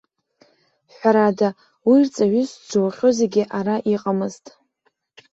Ҳәарада, уи рҵаҩыс дзаухьоу зегьы ара иҟамызт.